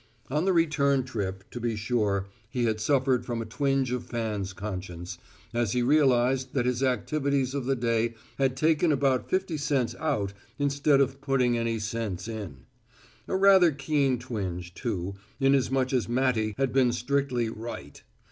On the return trip, to be sure, he had suffered from a twinge of fans' conscience as he realized that his activities of the day had taken about fifty cents out instead of putting any cents in. A rather keen twinge, too, inasmuch as Matty had been strictly "right."